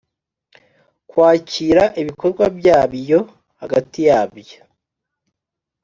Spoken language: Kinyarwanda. Kwakira ibikorwa byabyo hagati yabyo